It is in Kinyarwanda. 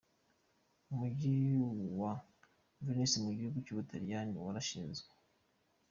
Umujyi wa Venice mu gihugu cy’u Butaliyani warashinzwe.